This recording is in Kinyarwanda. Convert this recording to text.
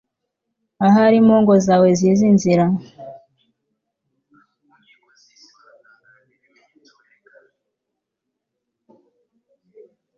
ahari impongo zawe zizi inzira